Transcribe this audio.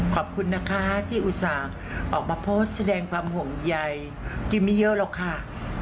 ขอบคุณนะคะที่อุตส่าห์ออกมาโพสต์แสดงความห่วงใยกิมไม่เยอะหรอกค่ะ